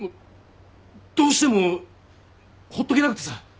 どうしてもほっとけなくてさ。